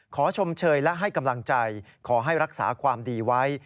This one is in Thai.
ชมเชยและให้กำลังใจขอให้รักษาความดีไว้